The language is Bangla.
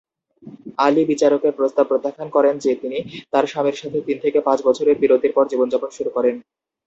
আলী বিচারকের প্রস্তাব প্রত্যাখ্যান করেন যে তিনি তার স্বামীর সাথে তিন থেকে পাঁচ বছরের বিরতির পর জীবনযাপন শুরু করেন।